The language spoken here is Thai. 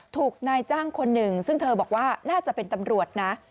ถูกนายจ้างคนหนึ่งซึ่งเธอบอกว่าน่าจะเป็นตำรวจนะ